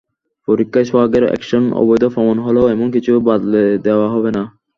পরীক্ষায় সোহাগের অ্যাকশন অবৈধ প্রমাণ হলেও এমন কিছু বাতলে দেওয়া হবে না।